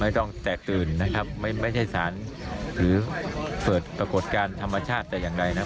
ไม่ต้องแตกตื่นนะครับไม่ไม่ใช่สารหรือเฝิดปรากฏการณ์ธรรมชาติจะยังไงนะ